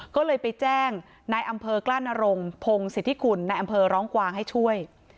ก็เลยไปแจ้งนายอำเภอกล้านรงพงศิษฐิคุณในอำเภอร้องกวางให้ช่วย